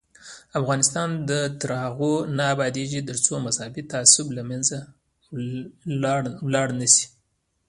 افغانستان تر هغو نه ابادیږي، ترڅو مذهبي تعصب له منځه لاړ نشي.